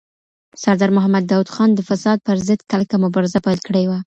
سردار محمد داود خان د فساد پر ضد کلکه مبارزه پیل کړې وه.